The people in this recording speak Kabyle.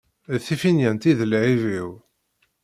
D tiffinyent i d lεib-iw.